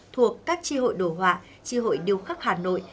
thuộc các tri hội đồ họa tri hội điêu khắc hà nội